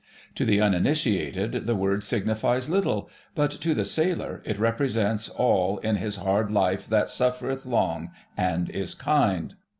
To the uninitiated the word signifies little, but to the sailor it represents all in his hard life that "suffereth long and is kind."